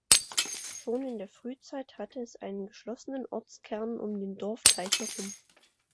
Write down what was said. Schon in der Frühzeit hatte es einen geschlossenen Ortskern um den Dorfteich herum.